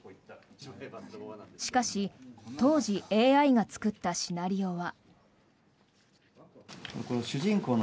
しかし、当時ＡＩが作ったシナリオは。